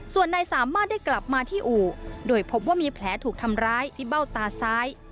ส่วนนายสามารถได้กลับมาที่อู่โดยพบว่ามีแผลถูกทำร้ายที่เบ้าตาซ้าย